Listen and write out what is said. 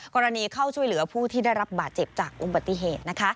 กรณีเข้าช่วยเหลือผู้ที่ได้รับบาดเจ็บจากอุบัติเหตุ